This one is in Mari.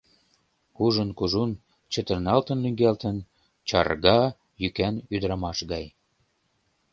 Кужун-кужун, чытырналтын-лӱҥгалтын — чарга йӱкан ӱдырамаш гай.